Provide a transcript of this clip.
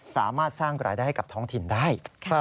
สามารถสร้างรายได้ให้กับท้องถิ่นได้